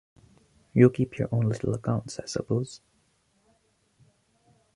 You keep your own little accounts, I suppose?